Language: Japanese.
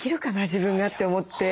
自分が」って思って。